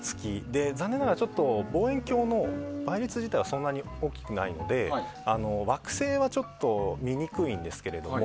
残念ながら望遠鏡の倍率自体はそんなに大きくないので惑星は見にくいんですけれども。